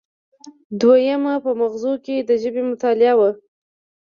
دویمه په مغزو کې د ژبې مطالعه وه